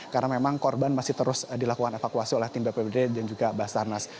karena memang korban masih terus dilakukan evakuasi oleh tim bapbd dan juga basarnas